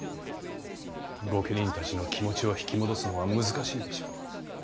御家人たちの気持ちを引き戻すのは難しいでしょう。